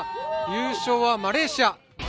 優勝はマレーシア！